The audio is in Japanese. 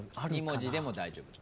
２文字でも大丈夫。